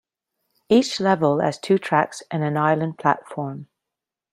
Each level has two tracks and an island platform.